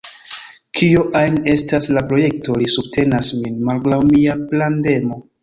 Kio ajn estas la projekto, li subtenas min malgraŭ mia plendemo.